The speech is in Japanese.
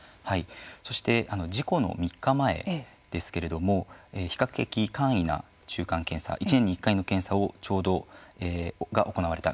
そして事故の３日前ですけれども比較的簡易な中間検査１年に１回の検査がちょうど行われた。